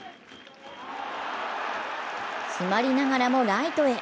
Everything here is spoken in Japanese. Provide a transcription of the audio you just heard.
詰まりながらもライトへ。